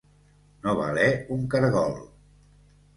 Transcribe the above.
No valer un caragol.